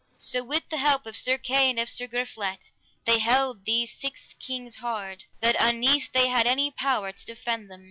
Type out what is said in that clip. So with the help of Sir Kay and of Sir Griflet they held these six kings hard, that unnethe they had any power to defend them.